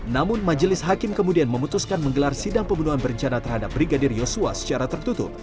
namun majelis hakim kemudian memutuskan menggelar sidang pembunuhan berencana terhadap brigadir yosua secara tertutup